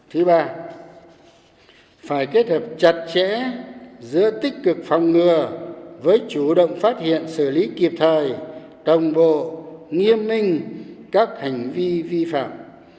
thứ ba phải kết hợp chặt chẽ giữa tích cực phòng ngừa với chủ động phát hiện xử lý kịp thời đồng bộ nghiêm minh các hành vi vi phạm